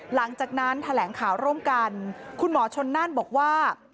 หลังจากนั้นแถลงข่าวร่วมกันคุณหมอชนน่านบอกว่า